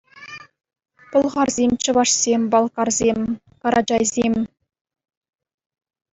Пӑлхарсем, чӑвашсем, балкарсем, карачайсем.